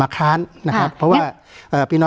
การแสดงความคิดเห็น